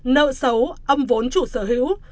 nợ xấu âm vốn chủ sở hữu